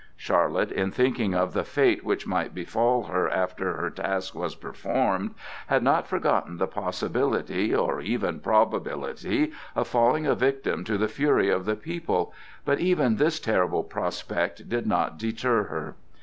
Charlotte, in thinking of the fate which might befall her after her task was performed, had not forgotten the possibility or even probability of falling a victim to the fury of the people, but even this terrible prospect did not deter her.